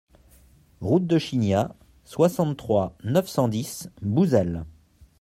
Route de Chignat, soixante-trois, neuf cent dix Bouzel